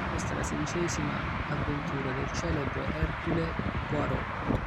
Questa è la sedicesima avventura del celebre Hercule Poirot.